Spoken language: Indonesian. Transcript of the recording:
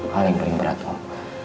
hal yang paling berat pak